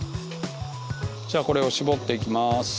じゃあこれを絞っていきます。